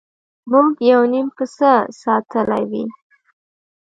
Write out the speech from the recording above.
موږ یو نیم پسه ساتلی وي.